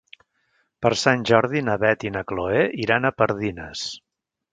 Per Sant Jordi na Beth i na Chloé iran a Pardines.